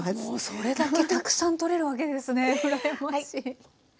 それだけたくさんとれるわけですね羨ましい。